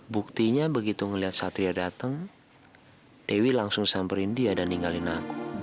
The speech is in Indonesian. buktinya begitu melihat satria datang dewi langsung samperin dia dan ninggalin aku